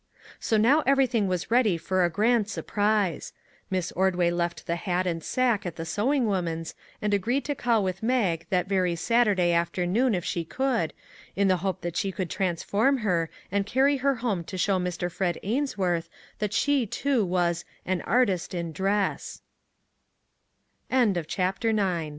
So now everything was ready for a grand sur prise. Miss Ordway left the hat and sack at the sewing woman's and agreed to call with Mag that very Saturday afternoon, if she could, in the hope that she could transform her and carry her home to show Mr. Fred Ainswort